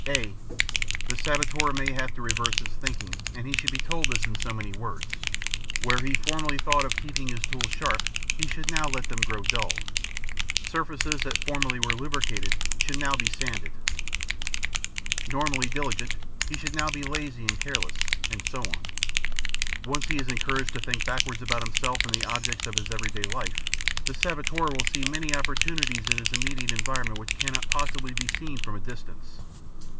(a) The saboteur may have to reverse his thinking, and he should be told this in so many words. Where he formerly thought of keeping his tools sharp, he should now let them grow dull; surfaces that formerly were lubricated now should be sanded; normally diligent, he should now be lazy and careless; and so on. Once he is encouraged to think backwards about himself and the objects of his everyday life, the saboteur will see many opportunities in his immediate environment which cannot possibly be seen from a distance.